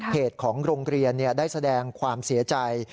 ของโรงเรียนได้แสดงความเสียใจ